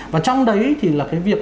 và trong đấy thì là cái việc